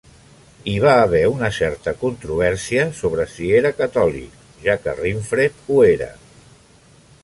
Hi va haver una certa controvèrsia sobre si era catòlic, ja que Rinfret ho era.